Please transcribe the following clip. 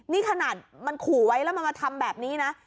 นี่ขนาดมันขู่ไว้แล้วมันมาทำแบบนี้นะ